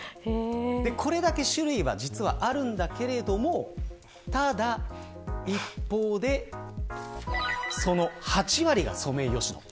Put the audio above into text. これだけ種類は実はあるんだけれどもただ、一方でその８割が、ソメイヨシノ。